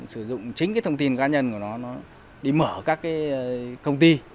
sử dụng chính cái thông tin cá nhân của nó nó đi mở các cái công ty